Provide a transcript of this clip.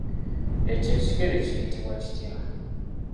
Ekyo ekikere kiyitibwa kitya?